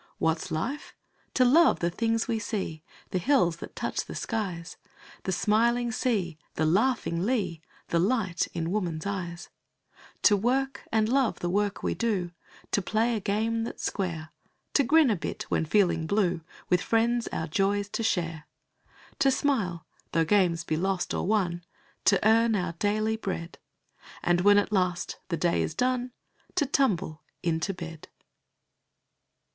What's life? To love the things we see; The hills that touch the skies; The smiling sea; the laughing lea; The light in woman's eyes; To work and love the work we do; To play a game that's square; To grin a bit when feeling blue; With friends our joys to share; To smile, though games be lost or won; To earn our daily bread; And when at last the day is done To tumble into bed.